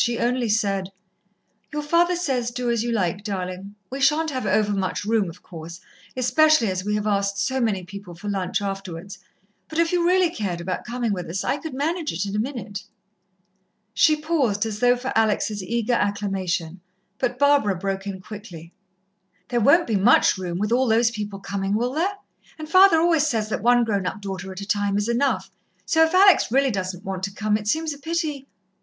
She only said: "Your father says, do as you like, darlin'. We shan't have over much room, of course, especially as we have asked so many people for lunch afterwards, but if you really cared about comin' with us, I could manage it in a minute " She paused, as though for Alex' eager acclamation, but Barbara broke in quickly: "There won't be much room, with all those people coming, will there? And father always says that one grown up daughter at a time is enough, so if Alex really doesn't want to come it seems a pity...."